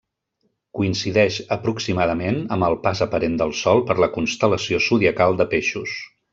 Coincideix aproximadament amb el pas aparent del Sol per la constel·lació zodiacal de Peixos.